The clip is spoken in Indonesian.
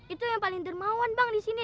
itu yang paling dermawan bang disini